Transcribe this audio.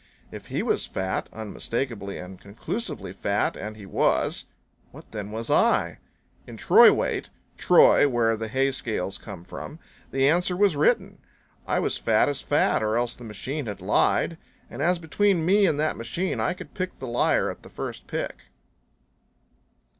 If he was fat, unmistakably and conclusively fat and he was what then was I? In Troy weight Troy where the hay scales come from the answer was written. I was fat as fat, or else the machine had lied. And as between me and that machine I could pick the liar at the first pick.